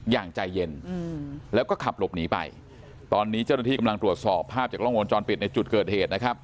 อย่างใจเย็นแล้วก็ขับหลบหนีไปตอนนี้เจ้าหน้าที่กำลังตรวจสอบภาพจากล้องวงจรปิดในจุดเกิดเหตุนะครับ